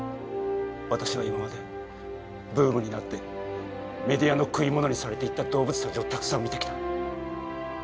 私は今までブームになってメディアの食い物にされていった動物たちをたくさん見てきた。